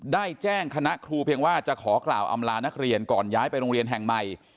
ได้แจ้งคณะครูเพียงว่าจะขอกล่าวอำลานักเรียนก่อนย้ายไปโรงเรียนแห่งใหม่